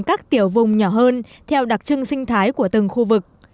các tiểu vùng nhỏ hơn theo đặc trưng sinh thái của từng khu vực